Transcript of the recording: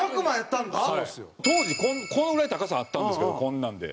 当時このぐらい高さあったんですけどこんなんで。